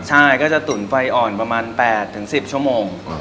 ใช่ก็จะตุ๋นไฟอ่อนประมาณ๘๑๐ชั่วโมง